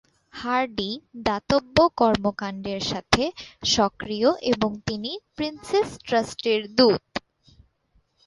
Hardy দাতব্য কর্মকাণ্ডের সাথে সক্রিয় এবং তিনি প্রিন্সেস ট্রাস্টের দূত।